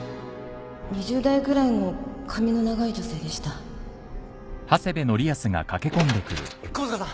２０代ぐらいの髪の長い女性でした・・窪塚さん。